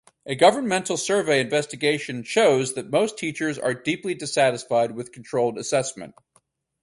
A governmental survey investigation shows that most teachers are deeply dissatisfied with controlled assessment.